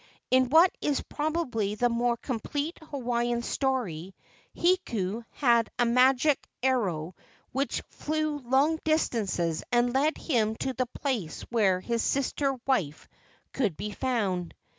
In what is probably the more complete Hawaiian story Hiku had a magic arrow which flew long distances and led him to the place where his sister wife could be found.